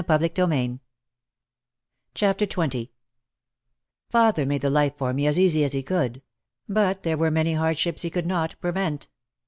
OUT OF THE SHADOW 83 XX Father made the life for me as easy as he could. But there were many hardships he could not prevent.